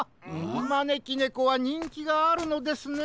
まねきねこはにんきがあるのですね。